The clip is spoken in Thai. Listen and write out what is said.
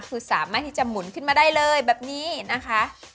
คือสามารถที่จะหมุนขึ้นมาได้เลยแบบนี้นะคะ